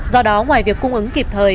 do đó ngoài việc cung ứng kịp thời